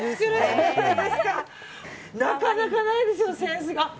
なかなかないですよ、潜水艦。